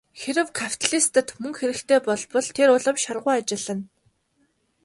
Хэрэв капиталистад мөнгө хэрэгтэй болбол тэр улам шаргуу ажиллана.